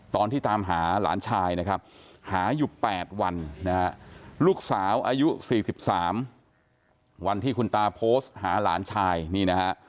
ตามหาหลานชายนะครับหาอยู่๘วันนะฮะลูกสาวอายุ๔๓วันที่คุณตาโพสต์หาหลานชายนี่นะฮะ